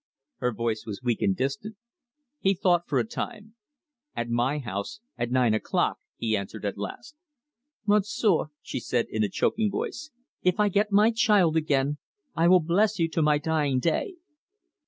Her voice was weak and distant. He thought for a time. "At my house at nine o'clock," he answered at last. "Monsieur," she said, in a choking voice, "if I get my child again, I will bless you to my dying day."